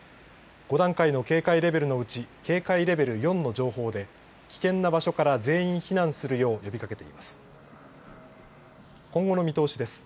５段階の警戒レベルのうち警戒レベル４の情報で危険な場所が全員避難するよう呼びかけています。